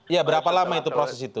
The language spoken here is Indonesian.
ya berapa lama itu proses itu